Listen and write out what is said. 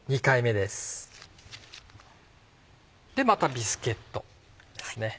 でまたビスケットですね。